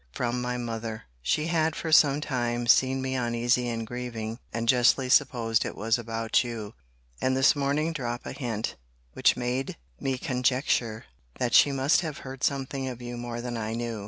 From my mother! She had for some time seen me uneasy and grieving; and justly supposed it was about you: and this morning dropt a hint, which made me conjecture that she must have heard something of you more than I knew.